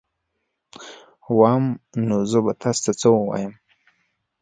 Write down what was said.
وام نو زه به تاسي ته څه ووایم